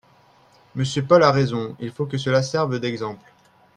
Monsieur Paul a raison, il faut que cela serve d’exemple